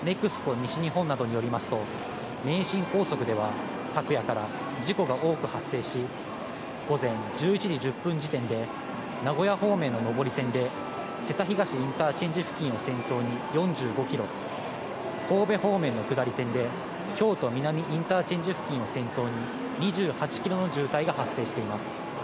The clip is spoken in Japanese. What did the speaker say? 西日本などによりますと名神高速では昨夜から事故が多く発生し、午前１１時１０分時点で、名古屋方面の上り線で瀬田東インターチェンジ付近を先頭に４５キロ、神戸方面の下り線で京都南インターチェンジ付近を先頭に２８キロの渋滞が発生しています。